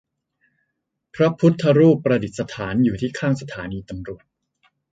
พระพุทธรูปประดิษฐานอยู่ที่ข้างสถานีตำรวจ